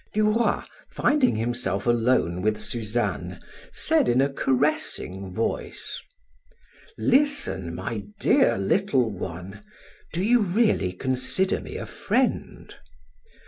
Du Roy, finding himself alone with Suzanne, said in a caressing voice: "Listen, my dear little one; do you really consider me a friend?"